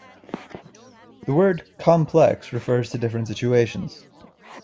The word "complex" refers to different situations.